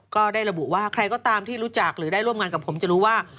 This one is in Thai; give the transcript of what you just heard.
ก็ได้ระบุว่าใครก็ตามที่รู้จักหรือได้ร่วมงานกับผมจะรู้ว่า